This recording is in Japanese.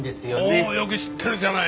おおよく知ってるじゃない。